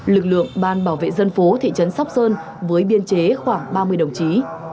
lực lượng ban bảo vệ dân phố thị trấn sóc sơn với biên chế khoảng ba mươi đồng chí